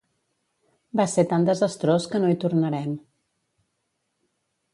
Va ser tan desastrós que no hi tornarem.